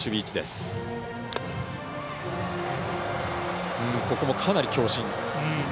ここもかなり強振。